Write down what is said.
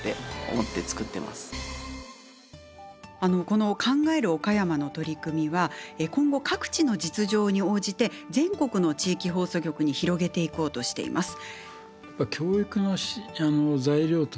この「考える岡山」の取り組みは今後各地の実情に応じて全国の地域放送局に広げていこうとしています。